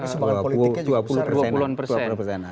sebagian politiknya juga besar dua puluh an persen